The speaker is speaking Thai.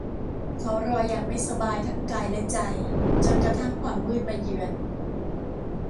เขารออย่างไม่สบายทั้งกายและใจจนกระทั่งความมืดมาเยือน